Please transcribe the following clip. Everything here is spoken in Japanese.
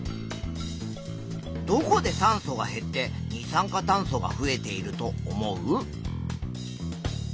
どこで酸素は減って二酸化炭素が増えていると思う？